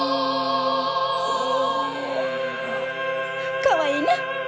かわいいな！